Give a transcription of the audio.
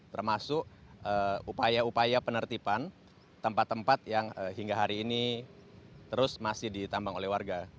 termasuk upaya upaya penertiban tempat tempat yang hingga hari ini terus masih ditambang oleh warga